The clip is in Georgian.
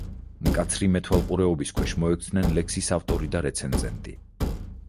მკაცრი მეთვალყურეობის ქვეშ მოექცნენ ლექსის ავტორი და რეცენზენტი.